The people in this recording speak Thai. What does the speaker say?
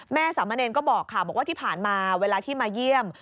แม่สามะเนนก็บอกเลยครับที่ผ่านมาเวลาที่มาเยี่ยม